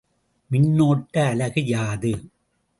மின்னோட்ட அலகு யாது?